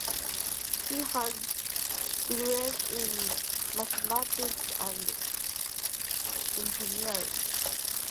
He has degrees in mathematics and engineering.